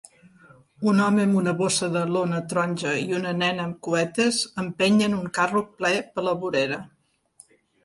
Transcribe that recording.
Un home amb una bossa de lona taronja i una nena amb cuetes empenyen un carro ple per la vorera.